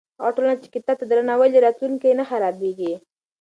هغه ټولنه چې کتاب ته درناوی لري، راتلونکی یې نه خرابېږي.